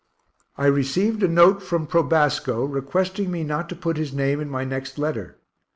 I received a note from Probasco, requesting me not to put his name in my next letter.